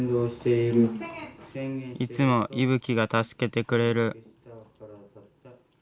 いつもいぶきが助けてくれる。